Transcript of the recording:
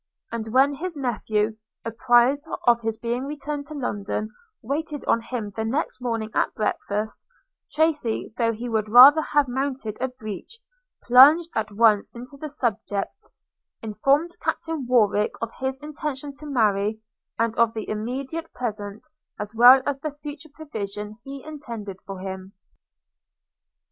And when his nephew, apprised of his being returned to London, waited on him the next morning at breakfast, Tracy, though he would rather have mounted a breach, plunged at once into the subject – informed Captain Warwick of his intention to marry, and of the immediate present, as well as future provision he intended for him.